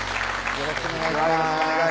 よろしくお願いします